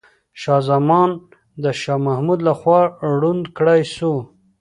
شاه زمان د شاه محمود لخوا ړوند کړاي سو.